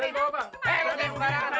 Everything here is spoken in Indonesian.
eh lo jangan kemana mana